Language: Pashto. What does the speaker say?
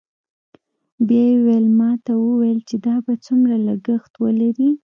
بیا یې ویلما ته وویل چې دا به څومره لګښت ولري